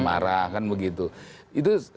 marah kan begitu itu